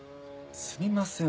すみません